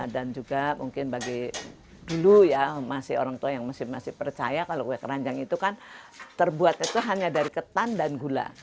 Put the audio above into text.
dan juga mungkin bagi dulu ya masih orang tua yang masih percaya kalau kue keranjang itu kan terbuat itu hanya dari ketan dan gula